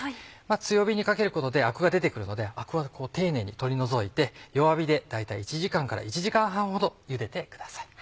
強火にかけることでアクが出て来るのでアクは丁寧に取り除いて弱火で大体１時間から１時間半ほどゆでてください。